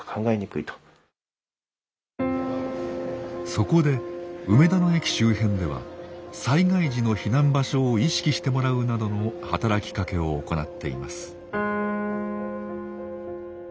そこで梅田の駅周辺では災害時の避難場所を意識してもらうなどの働きかけを行っています。